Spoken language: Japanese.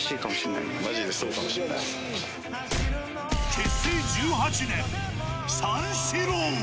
結成１８年、三四郎。